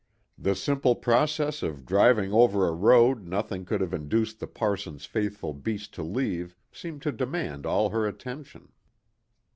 The simple process of driving over a road nothing could have induced the parson's faithful beast to leave seemed to demand all her attention.